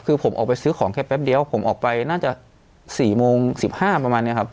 คือผมออกไปซื้อของแค่แป๊บเดียวผมออกไปน่าจะ๔โมง๑๕ประมาณนี้ครับ